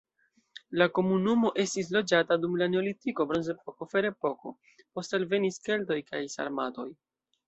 La komunumo estis loĝata dum la neolitiko, bronzepoko, ferepoko, poste alvenis keltoj kaj sarmatoj.